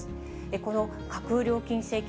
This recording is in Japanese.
この架空料金請求